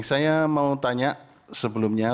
saya mau tanya sebelumnya